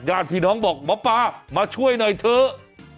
ญาติพี่น้องบอกหมอปลามาช่วยหน่อยเถอะ